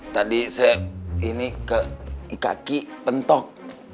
tadi saya ini ke kaki pentok